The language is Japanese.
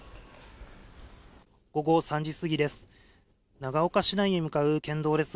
午後３時過ぎです。